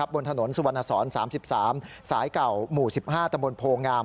บนถนนสุวรรณสอน๓๓สายเก่าหมู่๑๕ตะบนโพงาม